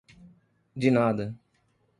De nada.